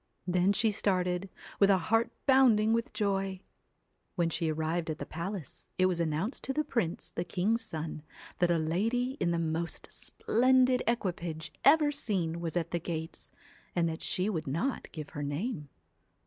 Then she started, with a heart bounding with joy. When she arrived at the palace, it was announced to the prince, the king's son, that a lady in the most splendid equipage ever seen was at the gates, and that she would not give her name.